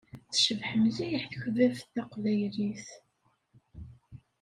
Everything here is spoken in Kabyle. Tecbeḥ mliḥ takbabt taqbaylit!